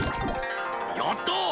やった！